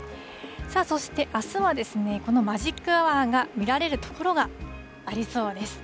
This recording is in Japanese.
そして、あすはですね、このマジックアワーが見られる所がありそうです。